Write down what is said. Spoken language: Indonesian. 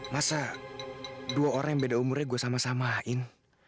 masa dua orang yang beda umurnya gue sama samain